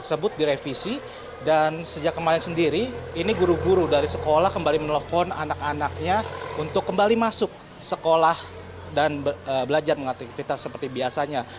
sejak kemarin sendiri ini guru guru dari sekolah kembali menelpon anak anaknya untuk kembali masuk sekolah dan belajar mengajar aktivitas seperti biasanya